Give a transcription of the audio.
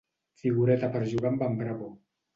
Figureta per jugar amb en Bravo.